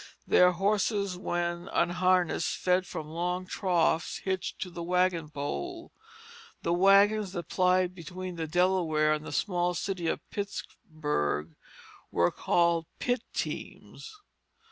Their horses when unharnessed fed from long troughs hitched to the wagon pole. The wagons that plied between the Delaware and the small city of Pittsburgh were called Pitt teams.